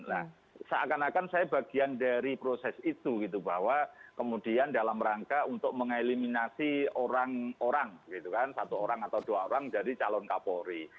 nah seakan akan saya bagian dari proses itu gitu bahwa kemudian dalam rangka untuk mengeliminasi orang orang gitu kan satu orang atau dua orang dari calon kapolri